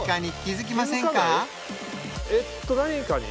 えっと何かに？